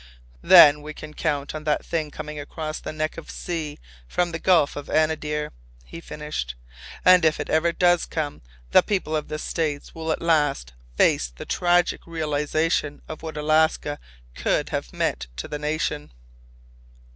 "Then we can count on that thing coming across the neck of sea from the Gulf of Anadyr," he finished. "And if it ever does come, the people of the States will at last face the tragic realization of what Alaska could have meant to the nation."